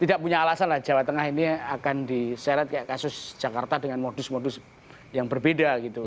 tidak punya alasan lah jawa tengah ini akan diseret kayak kasus jakarta dengan modus modus yang berbeda gitu